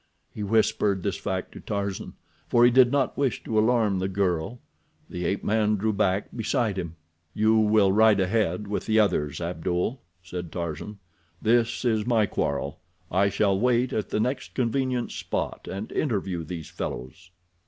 He whispered this fact to Tarzan, for he did not wish to alarm the girl. The ape man drew back beside him. "You will ride ahead with the others, Abdul," said Tarzan. "This is my quarrel. I shall wait at the next convenient spot, and interview these fellows."